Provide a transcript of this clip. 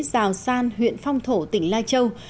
rào san huyện phong thổ tỉnh lai châu